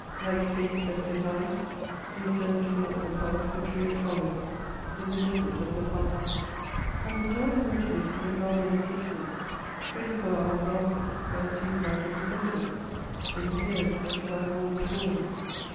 Like stakes left behind, they serve to mark the path which we have followed in the desert of the past. Having joined the regiment in the garb of a citizen, twenty four hours afterwards I assumed that of a soldier ; it appeared as if 1 had worn it always.